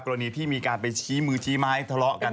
กรณีที่มีการไปชี้มือชี้ไม้ทะเลาะกัน